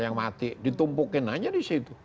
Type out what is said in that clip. yang mati ditumpukin aja di situ